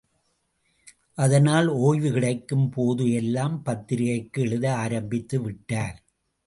அதனால் ஓய்வு கிடைக்கும் போது எல்லாம் பத்திரிகைக்கு எழுத ஆரம்பித்து விட்டார்.